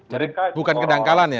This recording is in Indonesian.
jadi bukan kedangkalan ya